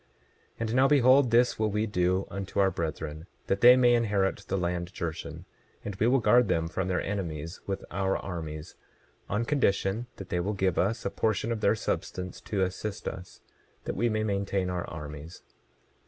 27:24 And now behold, this will we do unto our brethren, that they may inherit the land Jershon; and we will guard them from their enemies with our armies, on condition that they will give us a portion of their substance to assist us that we may maintain our armies.